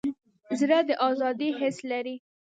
زړه د ازادۍ حس لري.